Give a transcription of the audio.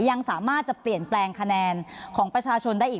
ยังสามารถจะเปลี่ยนแปลงคะแนนของประชาชนได้อีก